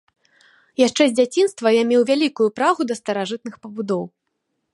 Яшчэ з дзяцінства я меў вялікую прагу да старажытных пабудоў.